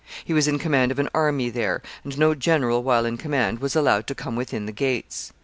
He was in command of an army there, and no general, while in command, was allowed to come within the gates.